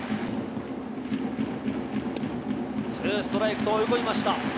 ツーストライクと追い込みました。